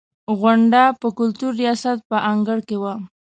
غونډه په کلتور ریاست په انګړ کې وه.